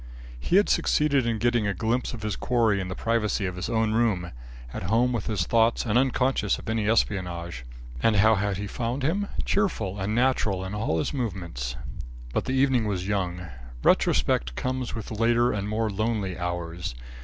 He had succeeded in getting a glimpse of his quarry in the privacy of his own room, at home with his thoughts and unconscious of any espionage, and how had he found him? Cheerful, and natural in all his movements. But the evening was young. Retrospect comes with later and more lonely hours.